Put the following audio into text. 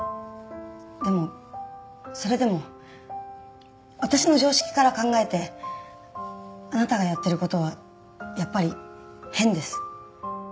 でもそれでも私の常識から考えてあなたがやってる事はやっぱり変です。